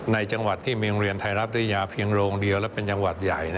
ในจังหวัดที่มีโรงเรียนไทยรัฐวิทยาเพียงโรงเดียวและเป็นจังหวัดใหญ่